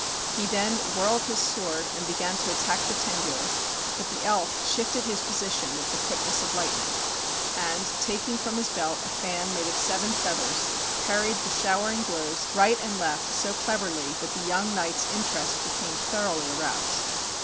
He then whirled up his sword and began to attack the Tengu, but the elf shifted his position with the quickness of lightning, and taking from his belt a fan made of seven feathers parried the showering blows right and left so cleverly that the young knight's interest became thoroughly aroused.